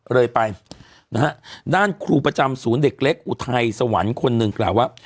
เลยไปนะฮะด้านครูประจำศูนย์เด็กเล็กอุทัยสวรรค์คนหนึ่งกล่าวว่า